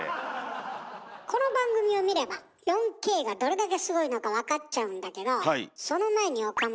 この番組を見れば４Ｋがどれだけすごいのか分かっちゃうんだけどその前に岡村。